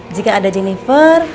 jika ada jennifer